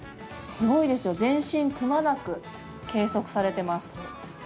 すごいですよ、全身くまなく計測されています。